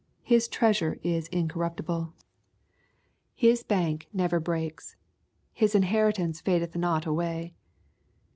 His treasure is incorruptible. His bank LrKE, CHAP. XII. 76 oever breaks. His inheritance fadeth not away.